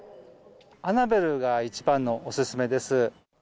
アナベルが一番のお勧めです。